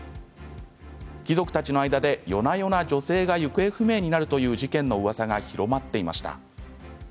貴族たちの間で夜な夜な女性が行方不明になるという事件のうわさが広まっていました。